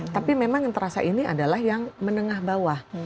tapi memang yang terasa ini adalah yang menengah bawah